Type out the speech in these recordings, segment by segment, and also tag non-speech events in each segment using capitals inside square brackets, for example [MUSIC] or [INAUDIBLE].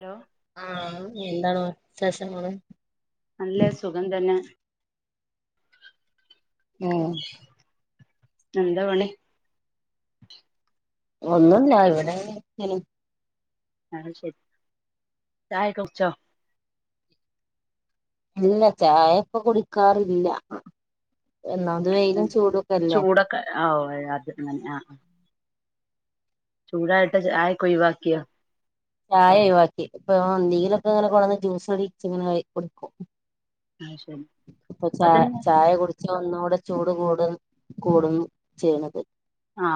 Hello ആന് എന്താണ് വിശേഷങ്ങള് നല്ലത് സുഖം തന്നെ ഉം എന്താ പണി ഒന്നുംല്ല ഇവിടെ ങ്ങനെ ഇരിക്കല് അയ്ശരി ചായക്കെ കുച്ചോ ഇല്ല്യ ചായപ്പൊ കുടിക്കാറില്ല ഒന്നാമത് വെയിലും ചൂടൊക്കെല്ലേ ചൂടൊക്കെ ഓ അത് ങ്ങനെ ആ ചൂടായിട്ട് ചായ ചായ ഒഴിവാക്കി ഇപ്പ എന്തെങ്കിലും ങ്ങനെ കൊണ്ടന്ന് ജ്യൂസ് ടിച്ചിങ്ങനെ കഴിക്കും ആ ശരി പ്പൊ ച അതന്നെ ചായ കുടിച്ച ഒന്നൂടെ ചൂട് കൂടും കൂടും ചെയ്യുന്നത് ആ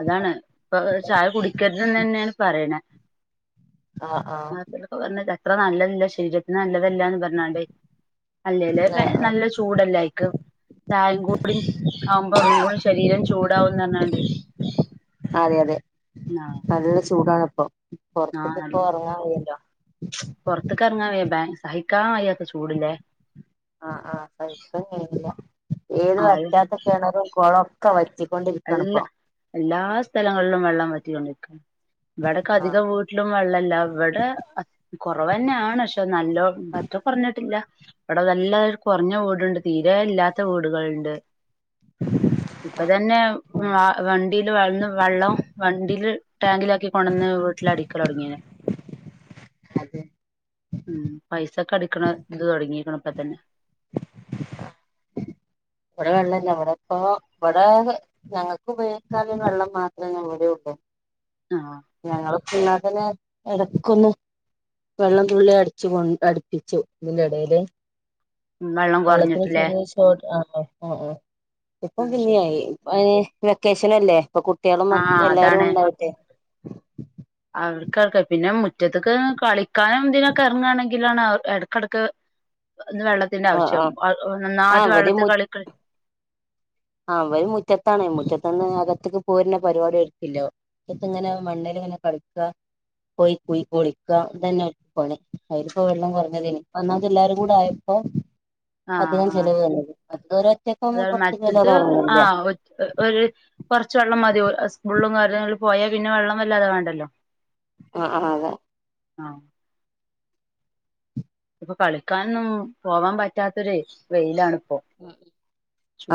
അതാണ് ഇപ്പൊ ചായ കുടിക്കരുത് ന്നേന്നെ ന്നെ പറയ്ണേ ആഹ് ആഹ് നാട്ടിലൊക്കെ വന്നതാ അത്ര നല്ലതല്ല ശരീര നല്ലതല്ലാന്ന് പറഞ്ഞാണ്ടെ അല്ലേല്ലേ ആഹ് നല്ല ചൂടല്ലേ അയ്ക്ക് ചായേം കൂടി ആവുമ്പോ ഒന്നും കൂടി ശരീരം ചൂട് ണ്ടാവുംന്ന് ഞ്ഞാണ്ടെ ആ ചൂടാണ്പ്പൊ ആ നല്ല ചൂ പൊറ്ത്ത്ക്കെറങ്ങാൻ വയ്യ ബ സഹിക്കാൻ കയ്യാത്ത ചൂട്ല്ലേ ആ ആ [UNINTELLIGIBLE] ഏത് ആ വറ്റാത്ത കെണറും കൊളും ക്കെ വറ്റും എല്ലാ എല്ലാ സ്ഥലങ്ങളിലും വെള്ളം വറ്റിക്കൊണ്ടിരിക്ക ഇവിടൊക്കെ ആഹ് അധികം വീട്ടിലും വെള്ളല്ല ഇവിടെ കുറവെന്നാണ് പക്ഷെ നല്ലോ പറ്റ കൊറഞ്ഞിട്ടില്ല ഇവിടെ നല്ല കുറഞ്ഞ വോടുണ്ട് തീരെ ഇല്ലാത്ത വീടുകൾണ്ട് ഇപ്പൊ തന്നെ ആ വണ്ടിൽ വെള്ളം വെള്ളം വണ്ടിയില് ടാങ്കിലാക്കി കൊണ്ടന്ന് വീട്ടിലടിക്കലൊടങ്ങീണ് അതെ ഉം പൈസക്കടിക്ണ ഇത് തൊടങ്ങിക്ണ് ഇപ്പ തന്നെ ഇവിടെ വെള്ളല്ല ഇവിടെപ്പ ഇവിടെ ഞങ്ങൾക്ക് ഉപയോഗിക്കാനുള്ള വെള്ളം മാത്രം ഞങ്ങളടെ ഉള്ളൂ ആ ഇന്നാ പിന്നെ എടക്കൊന്ന് വെള്ളം തുള്ളി അടിച്ചു കൊണ്ട് അടുപ്പിച്ചു ഇതിന്റെ എടേല് വെള്ളം വെള്ളത്തിന് കുറഞ്ഞിട്ടില്ലേ ചെറിയോ ആ ആ ആ ആ ഇപ്പം അത് പിന്നെ ശരി ആയി അത് വെക്കേഷൻ അല്ലേ ഇപ്പൊ കു ട്ട്യാളും ആഹ് എല്ലാരും അതാണ് ഉണ്ടാവൂലെ ക്കക്ക് പിന്നെ മുറ്റത്ത്ക്ക് കളിക്കാനും ഇതിനൊക്കെ എറങ്ങാണെങ്കിലാണ് എടക്കെടക്ക് ഒന്ന് വെള്ളത്തിന്റെ ആ ആവശ്യം ആ ആ നന്നായിട്ട് അവര് വെള്ളത്തിൽ മു കളിക്ക് ആ അവര് മുറ്റത്താണേ മുറ്റത്ത്ന്ന് അകത്ത്ക്ക് പോര്ണ പരിപാടി ഓര്ക്കില്ല മുറ്റത്ത് മണ്ണില് ഇങ്ങനെ കളിക്ക പോയി പോയി കുളിക്ക ഇതെന്നെ ഓല്ക്ക് പണി അയ്ല് പ്പൊ വെള്ളം കുറഞ്ഞതേയ്നി ഒന്നാമത് എല്ലാരും കൂടെ ആയപ്പോ ആഹ് അധികം ചെലവ് വന്നത് അത് ഓര് ഒറ്റക്കാവുമ്പോ പൊ ത് ആ ഒ ഒര് കൊറച് വെള്ളം മതി ഫുളളും പോയാൽ പിന്നെ വെള്ളം വല്ലാതെ വേണ്ടല്ലോ. ആ ആ അതാ. ആ ഇപ്പൊ കളിക്കാനൊന്നും പോവാൻ പറ്റാത്തൊരു വെയിലാണ്. ഉ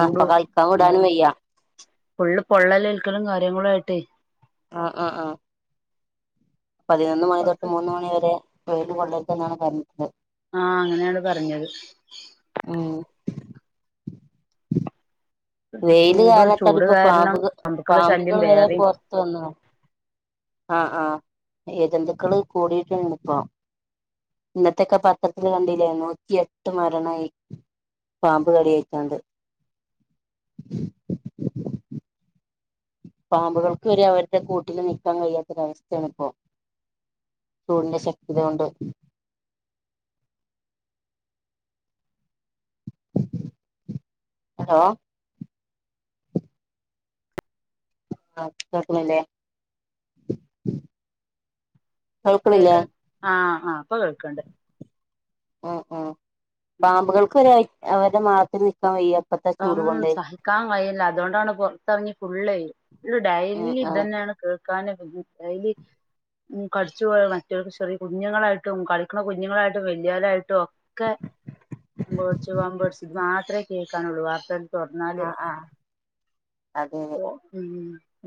ആപ്പൊ കളിക്കാൻ വിടാനും വയ്യാ പള്ള് പൊള്ളലേൽക്കലും കാര്യങ്ങളും ആയിട്ടേ ആഹ് ആ ആ പതിനൊന്ന് മണി തൊട്ട് മൂന്ന് മണി വരെ വെയിൽ കൊള്ളരുത് എന്നാണ് പറഞ്ഞത് ആഹ അങ്ങനെയാണ് പറഞ്ഞത് മം വെയില് ചൂട് കാലത്താണ് ചൂട് ഇപ്പൊ കാരണം പാമ്പു പാമ്പുക്കളെ ശല്യം പാമ്പുകൾ വരെ വേറെയും പുറത്ത വന്നതാ ആ ആ എഴജെന്തുക്കള് കൂടിട്ട് ഇപ്പൊ ഇന്നത്തൊക്കെ പത്രത്തി കണ്ടില്ലേ നൂറ്റിട്ട് മരണായി പാമ്പ് കടിഏറ്റണ്ട് പാമ്പുകൾക്ക് വരെ അവരുടെ കൂട്ടില് നിൽക്കാൻ കഴിയാത്തൊരവസ്ഥയാണ് ഇപ്പൊ ചൂടിന്റെ ശക്തി കൊണ്ട് [UNINTELLIGIBLE] ആ കേക്കണില്ലേ കേക്ക ആ ആ ഇപ്പൊ കേൾക്കണ്ട് ഉം ഉം പാമ്പുകൾക്ക് വരെ അവരുടെ മാളത്തിൽ നിക്കാൻ വയ്യാ ഉം സഹിക്കാൻ കഴിയില്ല അതുകൊണ്ടാണ് പുറത്ത് ഇറങ്ങി ഫുള്ള ഉം ഡൈലി ഇത് ഉം തന്നെയാണ് കേൾ- [UNINTELLIGIBLE] ഡെയിലി ഉം കടിച്ചു പോയ മറ്റ ചെറിയ കുഞ്ഞുങ്ങളായിട്ടും കളിക്കണ കുഞ്ഞുങ്ങളായിട്ടും വല്യളായിട്ടും ഒക്കെ പാമ്പ് കടിച്ചു പാമ്പ് കടിച്ചു ഇത് മാത്രമേ കേ കേൾക്കാനൊള്ളു വാർ തുറന്നാൽ ആഹ് ആഹ് അതെ അതെ ഉം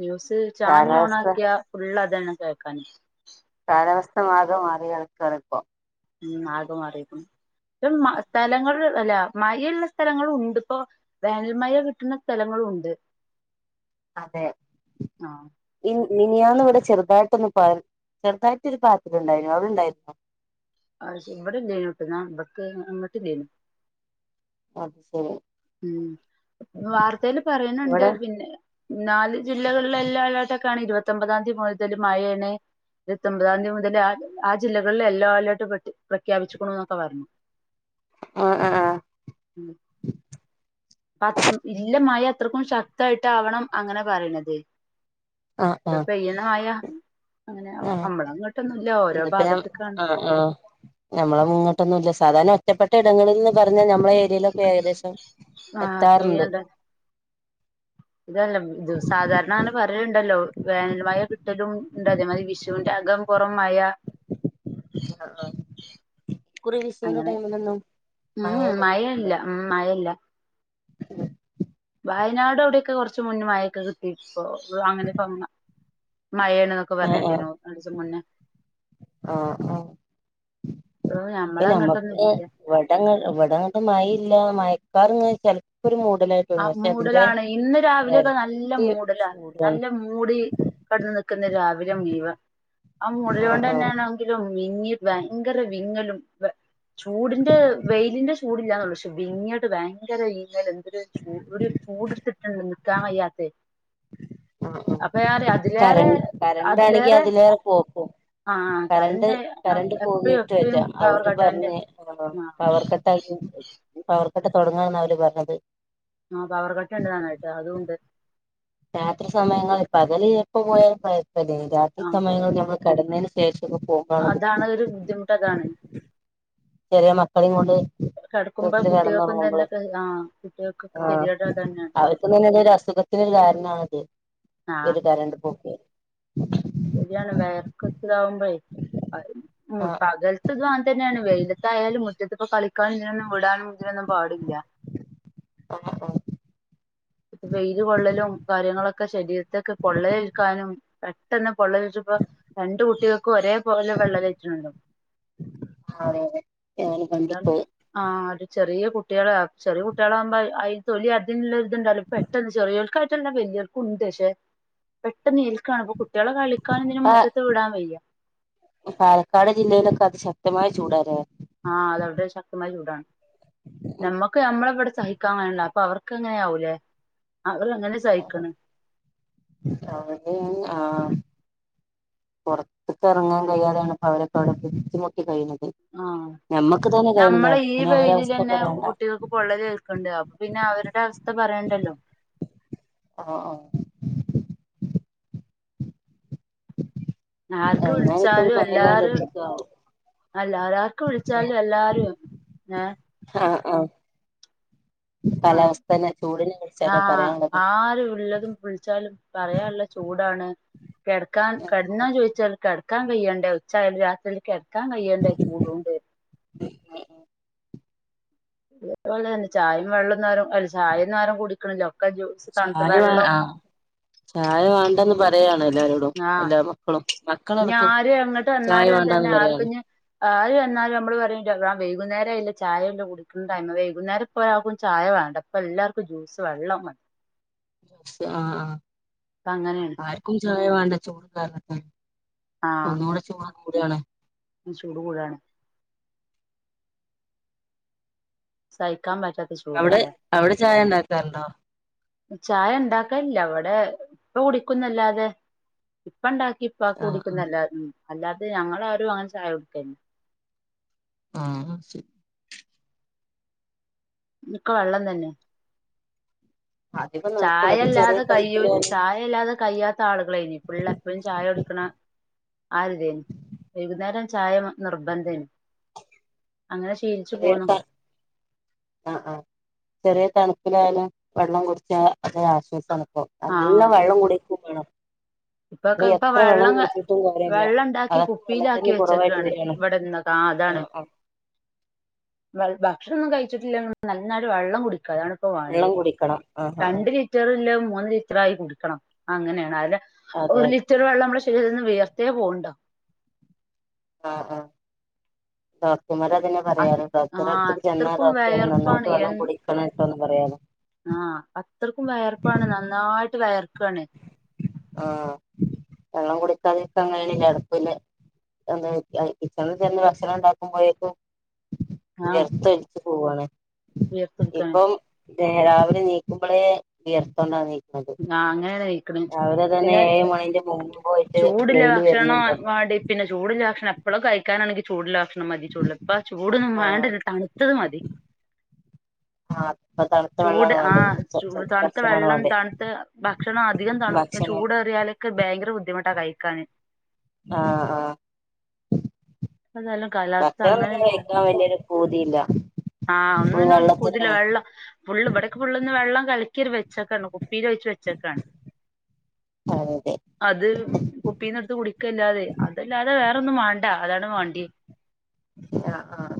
ന്യൂസ് ചാനല് ഓൺ കാലാവസ്ഥ ആക്കിയ ഫുൾ താണ് കേൾക്കനു കാലാവസ്ഥ ആകെ മാറിയ കിടക്കണേ ഇപ്പൊ ഉം ആകെ മാറിയിരിക്കുന്നു ഇപ്പം സ്ഥലങ്ങൾ അല്ല മഴയുള്ള സ്ഥലങ്ങളും ഉണ്ട് ഇപ്പോ വേനൽമഴ കിട്ടുന്ന സ്ഥലങ്ങളുണ്ട് അതെ ഇ മിനിയാന്ന് ഇവിടെ ചെറുതായിട്ടൊന്ന് പോ ചെറുതായിട്ടൊരു ചാറ്റലുണ്ടായിരുന്നു അവിടെണ്ടായിരുന്ന ആ ശെരി ഇവിടെ [UNINTELLIGIBLE] അത് ശരി ഉം വാർത്തയിൽ പറയണ്ട് ഇവിടെ പിന്നെ നാല് ജില്ലകളിൽ എല്ലാം അലെ ഇരുപത്തിഒമ്പപതാം തീയതി മുതൽ മഴയാണ് ഇരുപത്തിമ്പതാം തീയതി മുതൽ ആ ജില്ലകളിൽ യെല്ലോ അലേർട്ട് പ്രഖ്യാപിച്ചിക്കണ എന്നൊക്കെ പറഞ്ഞു ആ ആ ആ ഇല്ല മഴ അത്രക്കും ശക്തായിട്ടാവണം അങ്ങനെ പറയുന്നത് ആഹ് ആഹ് അങ്ങനെ ആഹ് നമ്മള അങ്ങോട്ടൊന്നും ഇല്ല ഓരോ ഇതിപ്പ ഞാ ഭാഗത്തേക്കാണ് ആഹ് ആഹ് ഞമ്മള മുങ്ങട്ടൊന്നുല്ല സാധാരണ റ്റപ്പെട്ട ഇടങ്ങളിൽ നിന്ന് പർ പറഞ്ഞാ നമ്മള ഏരിയയിലൊക്കെ ഏകദേശം ആ എത്താറുണ്ട് പെയ്യണ്ട [UNINTELLIGIBLE] സാധാരണ അങ്ങന പറയ്ല്ലുണ്ടല്ലോ വേനൽമയ കിട്ടലുണ്ട് അതേമാതിരി വിഷുവിന്റ അകം പൊറോം മയ ഇക്കുറി വിഷുവിന്റെ അങ്ങനെ ടൈമിലൊന്നും മഴ ഉം ലഭിച്ചില്ല മയെയില്ല ഉം മയെല്ല വയനാട് അവിടെക്ക കെറച്ച് മുന്നെ മയെക്ക കിട്ടി ഇപ്പോ അങ്ങനെപ്പങ്ങാ മഴേണന്നക്ക ആഹ് ആഹ് പറഞ്ഞിട്ടിനു രണ്ടിസം മുന്നേ [UNINTELLIGIBLE] ആഹ് പ്പ ഞമ്മക്ക് ഇല്ല ഇവടങ്ങ് ഇവടങ്ങോട്ട് മയയില്ലാ. മയക്കാറിങ്ങ് ചെല ആ മൂടലാണ് ഇന്ന് രാവിലെയൊക്കെ നല്ല എരട്ടി മൂടലാണ്. ചൂടാണ് നല്ല മൂടി കടന്ന് നിക്കുന്ന രാവിലെ മുയുവൻ. ആ മൂടല് ആഹ് കൊണ്ട് ആഹ് തന്നെണങ്കിലും വിങ്ങി ഭയങ്കര വിങ്ങലും വെ ചൂടിന്റ വെയിലിന്റ ചൂടില്ലാന്നെള്ളൂ പക്ഷേ വിങ്ങിട്ട് ഭയ് ങ്കര വീങ്ങല് എന്തര് ചൂ ഉ ഒരു ചൂടെട്ത്തിട്ട്ണ്ട് നിക്കാൻ വയ്യാത്തെ ആഹ് ആഹ് അപ്പൊ ഞാന് അതിലേറെ കരണ് കരണ്ടാണെങ്കി അതിലേറെ പോക്കും. ആ കരണ്ട് കറണ്ട് കരണ്ട് എപ്പഴും പോയീട്ട് എപ്പഴും വര്യാ പവർ അവര് കട്ടാന്റെ പറഞ്ഞ് ആ പവർ കട്ടാക്കി ഇനി പവർക്കട്ട് തൊടങ്ങാന്ന ഓല് പറഞ്ഞത്. ആ പവർ കട്ട് ഉണ്ടതാനായിട്ട് അതുണ്ട് രാത്രി സമയങ്ങള് പകല് എപ്പ പോയാലു പ്ര അത് ന്നെ. രാത്രി ആ സമയങ്ങളിൽ [UNINTELLIGIBLE] കെടന്നതിന് ശേഷം അതാണ് ഒരു ബുദ്ധിമുട്ടതാണ്. ചെറിയ മക്കളെയും കൊണ്ട് വീട്ടില് കുട്ടികൾക്കും തന്നെ കെടന്നൊറങ്ങുമ്പോളെ ക- ആ കുട്ടികൾക്കൊക്കെ ആ ഗതികേട് അത് തന്നെയാണ് അവർക്ക് തന്നെന്തോ ഒരു അസുഖത്തിനൊരു കാരണണത് ഒരു കരണ്ടുപോ ശെര്യാണ് വെയർക്ക് ഇതാവ്മ്പഴേ ഉം ആഹ് പകൽത്ത് [UNINTELLIGIBLE] തന്നെയാണ് വെയിലത്തായാലും മു റ്റത്തിപ്പോ കളി ക്കാൻ നൊന്നും വിടാനും ഇതിനൊന്നും പാടില്ല. ആഹ് ആഹ് വെയ്‌ല് കൊള്ളലും കാര്യങ്ങളൊക്കെ ശരീര ഇതൊക്കെ പൊള്ളലേൽക്കാനും പെട്ടെന്ന് പൊള്ളലേറ്റപ്പോ രണ്ട് കുട്ടിക ക്ക് ഒരേ പോലെ പൊള്ളലേറ്റിട്ടുണ്ട്. അതെ അതെ ഞാനും കണ്ടിപ്പോയി ആഹ് അതേ ചെറിയ കുട്ടികള ചെറിയ കുട്ടികളാകുമ്പോ അ തൊലി അതി ഇത്ണ്ടല്ലോ പെട്ടെന്ന് ചെറിയോൾക്കായിട്ടല്ല വലിയോൾക്കും ഉണ്ട്. പക്ഷെ പെട്ടെന്ന് ഏൽക്കാണേ അപ്പൊ കൂട് ആ പാലക്കാട് ജില്ലയിലൊക്കെ അതി ശക് തമായ ചൂടാലേ? ആ അതവിടെ ശക്തമായ ചൂടാണ്. ഞമ്മക്ക് ഞമ്മടെവിടെ സഹിക്കാൻ കയ്യിണില്ല അപ്പൊ അവർക് ക്കങ്ങനെ ആവും ല്ലേ? അവർ എങ്ങനെ സഹിക്കണ്? അവിടെ ആഹ് പുറത്ത്ക്ക് എറങ്ങാൻ കഴിയാതെയാണ് പ്പൊ അവരൊക്കെ അവിടെ ബുദ്ധിമുട്ടി കഴിയണത്. ആ നമ്മള ഈ പിന്നെ അവരെ അവസ്ഥ വെയ്ലിലെന്നേ പറയണ്ട കുട്ടികൾക്ക് പൊള്ളല് ഏൽക്ക്ണ്ട് അ പിന്നെ അവരുടെ അവസ്ഥ പറയണ്ടല്ലോ. ആഹ് ആഹ് ആർക്ക് എന്നാലിപ്പൊ ഒരു വിളിച്ചാലും മഴകാലം എല്ലാരും ലഭിക്കുവാവോ എല്ലാരാ ആർക്ക് വിളിച്ചാലും എല്ലാരും ഏ ആ ആ ആ പറയാനുള്ളത് ആര് ഉള്ളതും വിളിച്ചാലും പറയാൻള്ളേ ചൂടാണ് കെടക്കാൻ കെടന്നോന്ന് ചോയ്ച്ചാല് കെടക്കാൻ കയ്യേണ്ടേ ഉച്ചായാലും രാത്രി കെട ക്കാൻ കയ്യണ്ടേ ചൂടോണ്ട് [UNINTELLIGIBLE] ചായേം വെള്ളൊന്നും ആരും അല്ല ചായൊന്നും ആരും കുടിക്കണല്ലോ ചായ വാ ആ ചായ വാണ്ടന്ന് പറ [UNINTELLIGIBLE] ആ ഇഞ്ഞി ആര് എങ്ങട്ട് ചായ വന്നാലും അങ്ങൻ തന്നെ വേണ്ടാന്ന് പറയാണ് ആർക്ക്ഞ്ഞി ആര് വന്നാലും അമ്മള് പറയും വൈ വൈകുന്നേരം ആയില്ലേ ചായല്ലേ കുടിക്കണ ടൈമ് വൈകുന്നേരം പോ ആർക്കും ചായ വേണ്ട ഇപ്പൊ എല്ലാർക്കും ജ്യൂസ് വെള്ളം മതി ആ ഇപ്പ അങ്ങനെയാണ് ആ ആർക്കും ചായ വാണ്ട ചൂട് [UNINTELLIGIBLE] ഒന്നൂടെ ചുടാ കൂതയാണ് ചൂടു കൂടാണ് സഹിക്കാൻ പ അവള് അവിടെ ചായ ഇണ്ടാക്കാറ്ണ്ടോ ചായ ഇണ്ടാക്കൽല്ല ഇവടെ ഇപ്പ കുടിക്കുന്നല്ലാതെ ഇപ്പ ഇണ്ടാക ഇപ്പാക്ക് ആഹ് ആഹ് കുടിക്കുന്നല്ലാത് ഉം അല്ലാതെ ഞങ്ങളാരും അങ്ങനെ ചായ കുട്ക്കൽ ആഹ് ശരി ഇനിക്ക് വെള്ളം തന്നെ അധികം നടക്കുള്ളൂ അത് ചെറിയ ചായല്ലാതെ കയ്യൂൽ തണുപ്പിലായാലും ചായല്ലാതെ കയ്യാ ച്ചാളുകളായിനി ഫുള്ള് എപ്പഴും ചായ കുടിക്ക്ണ ആഹ് ഒര് തേനി വൈകുന്നേരം ചായ നിർബന്ധേനി. അങ്ങനെ ശീലിച്ചു ചെറിയ പോന്നു. ത ചെറ്യേ തണുപ്പിലായാലും വെള്ളം കുട്ച്ച അതൊരാശ്വസണിപ്പോ ആഹ് അല്ലൊം വെള്ളും കുടിക് കു [UNINTELLIGIBLE] ണം ഇപ്പൊക്കെ ഇപ്പൊ വെള്ളംങ്ങ കാര്യല്ല വെള്ളം ഇണ്ടാക്കി അതൊക്കെ കുപ്പീലാക്കി വെള്ളത്തിന് കുറവായിട്ട് വെച്ചക്കാണ് വരാണ് ഇവടെ ന്ന് ത്താതാണ് ആഹ് ആഹ് [UNINTELLIGIBLE] ഭക്ഷണോന്നും കഴിച്ചിട്ടില്ലാത്തോണ്ട് നന്നായിട്ട് വെള്ളം കുടിക്കും- അതാണിപ്പോ വെള്ളം വേണ്ടിയേ കുടിക്കണം ആഹ് ആഹ് രണ്ട് ലിറ്ററല്ല മൂ മൂന്ന് ലിറ്ററായി കുടിക്കണം അങ്ങനെയാണ് [UNINTELLIGIBLE] അതെ ഒരു അതെ ലിറ്റർ വെള്ളം [UNINTELLIGIBLE] [UNINTELLIGIBLE] വിയർത്തെ പോണുണ്ടോ ആ ആ ആ [UNINTELLIGIBLE] അതിനെ [UNINTELLIGIBLE] ഡോക്ടറെ ആഹ് അടുത്ത്ക്ക് ചെന്നാ അത്രക്കും ഡോക്ടറ്‍ വയർപ്പാണ് നന്നായിട്ട് വെള്ളം കുടിക്കണേട്ടൊന്ന് പറയാനോ ആ അത്രക്കും വെയർപ്പാണ് നന്നായിട്ട് വെയർ ആ വെള്ളം കുടിക്കാതെ [UNINTELLIGIBLE] കിച്ചണിൽ ചെന്ന് ഭക്ഷണം ഉണ്ടാക്കുമ്പോഴേക്കും ആഹ് യർത്ത് പോവാണ് ഇപ്പം [UNINTELLIGIBLE] രാവിലെ എണീക്കുമ്പോളേ വിയർത്തൊണ്ട ണീ ഞ [UNINTELLIGIBLE] പിന്നെ എങ്ങനെ ആ കഴിക്കന്, ഏഴ് മണിന്റെ മുമ്പ് പോയിട്ട് ചൂടില്ലാത്ത വെയില് വരുന്നുണ്ടല്ലോ ഭക്ഷണം - ഭക്ഷണം എപ്പളും കഴിക്കാനാണെങ്കി ചൂടുള്ള ഭക്ഷണം - മതി ചൂടുള്ള ഇപ്പ ചൂടൊന്നും ആഹ് [UNINTELLIGIBLE] തണുത്തത് മതി ആഹ് ഇപ്പൊ തണുത്ത ചൂട് വെള്ളാണ് ആ വേണ്ടത് തണുത്ത ഭക്ഷണാണ് വെള്ളം വേണ്ടേ തണുത്ത ഭക്ഷണം അധികം തണു ഭക്ഷണം ചൂടാറിയാലൊക്കെ ബെ ഭയങ്കര ബുദ്ധിമുട്ടാ കഴിക്കാന് ആ ആ അതെല്ലാം കാലാവസ്ഥ അങ്ങനെ ഒരിതാ കഴിക്കാൻ വലിയൊരു പൂതിയില്ല ആ അന്നന്നെ ഒരു പുതില വെള്ളത്തിനാണ് വെള്ളം ഫുള്ള് ഇവിടക്കെ ഫുള്ളൊന്ന് വെള്ളം തലക്കൊരു വെളിച്ചക്കെണ്ടിപ്പോ കുപ്പിലൊഴിച്ചു വെച്ചക്കാ അതെ അത് കുപ്പീന്നടുത്ത് കുടിക്കല്ലാതെ അതല്ലാതെ വേറോന്നും വേണ്ട അതാണ് വാണ്ടിയേ ആഹ ആഹ്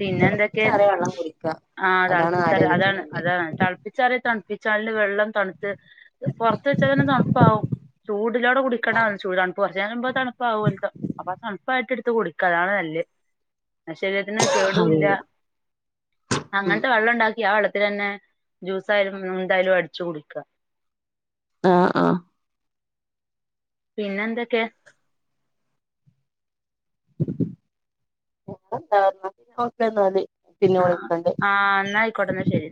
പിന്നെ എന്തൊക്കെ തിളപ്പിച്ചാറിയ വെള്ളം കുടിക്ക ആ അതാണ് തിളപ്പിച്ചാറി ആരോഗ്യത്തിന് അതാണ് നല്ലത് അതാണ് തിളപ്പിച്ചറി തണ- ിച്ചണില് വെള്ളം തണു പുറത്ത് വെച്ച തന്നെ തണുപ്പാവവും ചൂടിലൂടെ കുടിക്കണ്ട ചൂട് തണുപ്പ് കുറച്ച്ുമ്പോ തണുപ്പാവകുംല്ല അപ്പൊ തണുപ്പായിട്ട എടുത്ത് കുടിക്കുക അതാണ് നല്ലല് ശരി അതെ കേടില്ല അതെ അങ്ങനത്തെ വെള്ളം ഉണ്ടാക്കി ആ വെള്ളത്തി- ത്തി തന്നെ ജ്യൂസായാലും എന്തായാലും അടിച്ചു കുടിക്കുക ആഹ ആഹ പിന്നെന്തൊക്കെ ന്ത നോക്കന്നല് [INAUDIBLE] ആഹ ആഹ എന്നായിക്കോട്ടെ എന്നാ ശരി